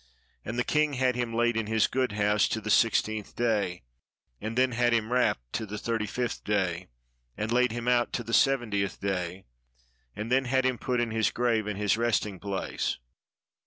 And the king had him laid in his Good House to the sixteenth day, and then had him wrapped to the thirty fifth day, and laid him out to the seventieth day, and then had him put in his grave in his resting place.